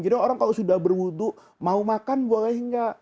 jadi orang kalau sudah berwudhu mau makan boleh nggak